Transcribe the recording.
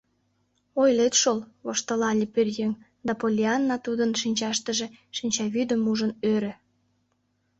— Ойлет шол, — воштылале пӧръеҥ, да Поллианна тудын шинчаштыже шинчавӱдым ужын, ӧрӧ.